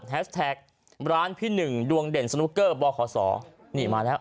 แท็กร้านพี่หนึ่งดวงเด่นสนุกเกอร์บขศนี่มาแล้ว